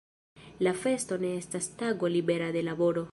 La festo ne estas tago libera de laboro.